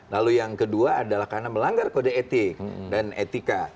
lalu yang kedua adalah karena melanggar kode etik dan etika